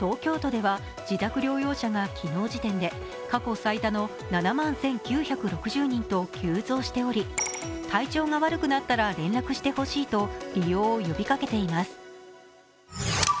東京都では自宅療養者が昨日時点で過去最多の７万１９６０人と急増しており体調が悪くなったら連絡してほしいと利用を呼びかけています。